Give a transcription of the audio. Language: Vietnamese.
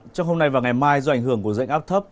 trong hôm nay và ngày mai do ảnh hưởng của dạnh áp thấp